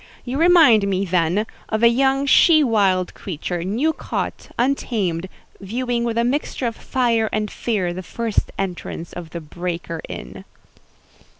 You remind me, then, of a young she wild creature, new caught, untamed, viewing with a mixture of fire and fear the first entrance of the breaker in."